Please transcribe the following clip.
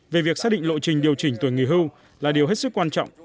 về việc xác định lộ trình điều chỉnh tuổi nghỉ hưu là điều hết sức quan trọng